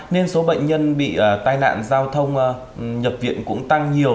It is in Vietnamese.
nên số bệnh nhân bị tai nạn giao thông nhập viện cũng tăng nhiều